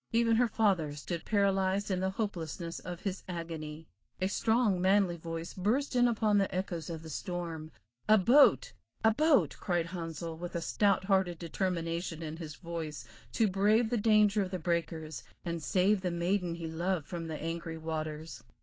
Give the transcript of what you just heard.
Even her father stood paralyzed in the hopelessness of his agony. A strong, manly voice burst in upon the echoes of the storm. "A boat! a boat!" cried Handsel, with a stout hearted determination in his voice to brave the danger of the breakers, and save the maiden he loved from the angry waters.